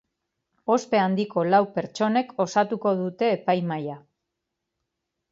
Ospe handiko lau pertsonek osatuko dute epaimahaia.